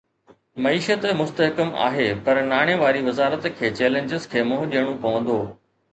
معيشت مستحڪم آهي پر ناڻي واري وزارت کي چئلينجز کي منهن ڏيڻو پوندو